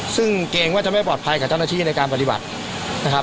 ซึ่งเกรงว่าจะไม่ปลอดภัยกับเจ้าหน้าที่ในการปฏิบัตินะครับ